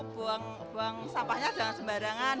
buang sampahnya jangan sembarangan